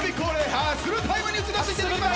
ハッスルタイムに移らせていただきます！